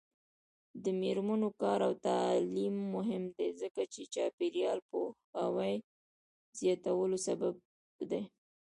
د میرمنو کار او تعلیم مهم دی ځکه چې چاپیریال پوهاوي زیاتولو سبب دی.